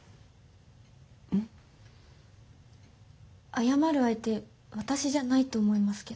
謝る相手私じゃないと思いますけど。